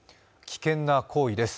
危険な行為です。